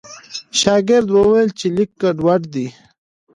شاګرد وویل چې لیک ګډوډ دی.